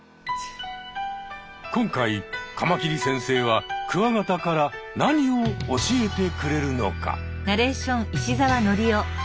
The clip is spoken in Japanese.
今回カマキリ先生はクワガタから何を教えてくれるのか？